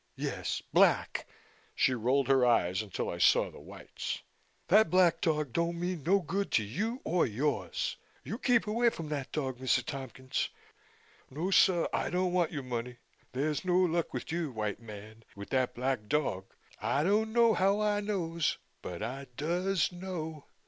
"Yes, black," She rolled her eyes until I saw the whites. "That black dog don' mean no good to you or yours. You keep away fum that dog, Mr. Tompkins. No, suh, I don't want you money. There's no luck with you, white man, with that black dog. I don' know how Ah knows, but Ah does know."